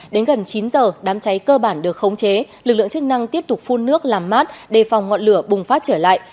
đến gần chín giờ đám cháy cơ bản được khống chế lực lượng chức năng tiếp tục phun nước làm mát đề phòng ngọn lửa bùng phát trở lại